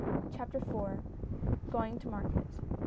CHAPTER IV. GOING TO MARKET.